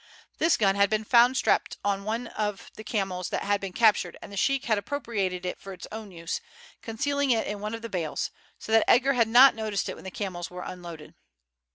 This gun had been found strapped on to one of the camels that had been captured, and the sheik had appropriated it for his own use, concealing it in one of the bales, so that Edgar had not noticed it when the camels were unloaded.